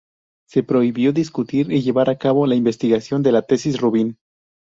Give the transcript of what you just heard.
Se prohibió discutir y llevar a cabo la investigación de las tesis Rubin.